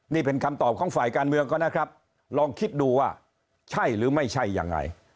นี่เป็นคำตอบของฝ่ายการเมืองเขานะครับลองคิดดูว่าใช่หรือไม่ใช่ยังไง